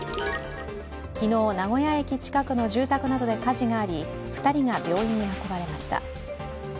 昨日、名古屋駅近くの住宅などで火事があり２人が病院に運ばれました。